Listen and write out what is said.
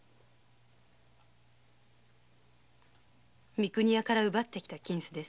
三国屋から奪ってきた金子です。